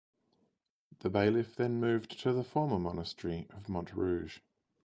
The bailiff then moved to the former monastery of Mont Rouge.